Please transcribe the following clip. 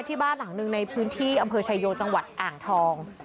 ที่บ้านหลังหนึ่งในพื้นที่อำเภอชายโยจังหวัดอ่างทอง